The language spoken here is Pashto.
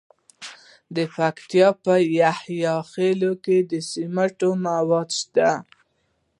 د پکتیکا په یحیی خیل کې د سمنټو مواد شته.